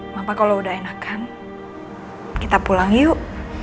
mama kalau udah enakan kita pulang yuk